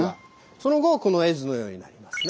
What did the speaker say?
その後この絵図のようになりますね。